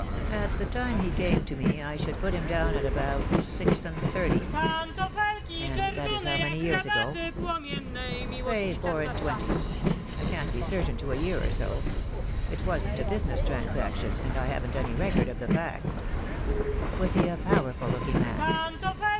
"At the time he came to me I should put him down at about six and thirty." "And that is how many years ago?" "Say four and twenty — I can't be certain to a year or so. It wasn't a business transaction, and I haven't any record of the fact." "Was he a powerful looking man?"